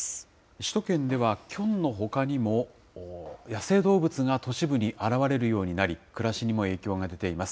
首都圏ではキョンのほかにも、野生動物が都市部に現れるようになり、暮らしにも影響が出ています。